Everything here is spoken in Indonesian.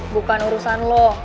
bukan urusan lo